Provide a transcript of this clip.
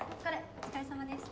お疲れさまです。